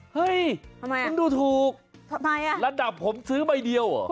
เฮ้ยมันดูถูกระดับผมซื้อใบเดียวเหรอ